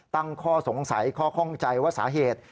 ตั้งข้อสงสัยข้อข้องใจว่าสาเหตุ